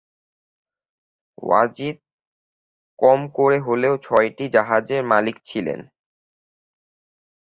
ওয়াজিদ কম করে হলেও ছয়টি জাহাজের মালিক ছিলেন।